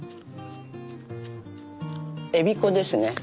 えび粉ですね。